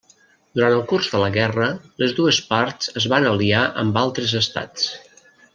Durant el curs de la guerra les dues parts es van aliar amb altres estats.